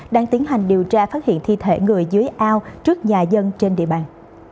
đang tiến hành điều tra phát hiện thi thể người dưới ao trước nhà dân trên địa bàn